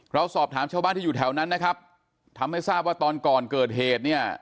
เราสอบถามชาวบ้านที่อยู่แถวนั้นนะครับทำให้ทราบว่าตอนก่อนเกิดเหตุเนี่ย